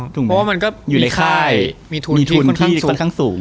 ถูกต้อง